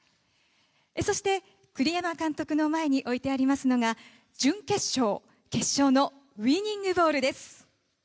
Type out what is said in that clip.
そして栗山監督の前に置いてありますのが準決勝、決勝のウィニングボールです。